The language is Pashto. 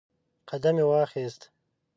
قدم یې واخیست